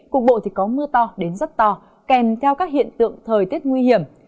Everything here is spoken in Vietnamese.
cục bộ thì có mưa to đến rất to kèm theo các hiện tượng thời tiết nguy hiểm